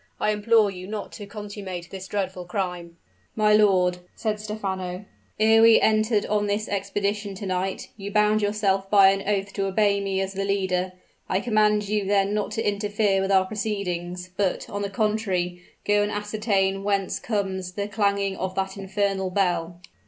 I implore you not to consummate this dreadful crime!" "My lord," said Stephano, "ere we entered on this expedition to night, you bound yourself by an oath to obey me as the leader. I command you then not to interfere with our proceedings; but, on the contrary, go and ascertain whence comes the clanging of that infernal bell."